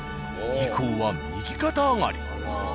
以降は右肩上がり。